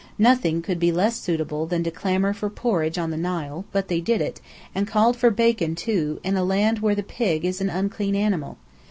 Nothing could be less suitable than to clamour for porridge on the Nile, but they did it, and called for bacon, too, in a land where the pig is an unclean animal.